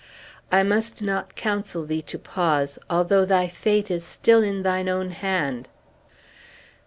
"I must not counsel thee to pause, although thy fate is still in thine own hand!"